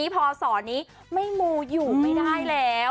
พศนี้ไม่มูอยู่ไม่ได้แล้ว